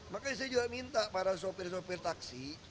makanya saya juga minta para sopir sopir taksi